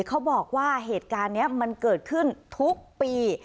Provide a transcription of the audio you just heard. เขาบอกว่าเหตุการณ์นี้มันเกิดขึ้นทุกปี